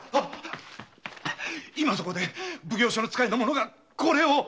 今そこで奉行所の使いの者がこれを。